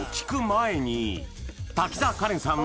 滝沢カレンさん